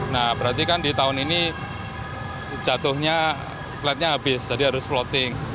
nah berarti kan di tahun ini jatuhnya flat nya habis jadi harus floating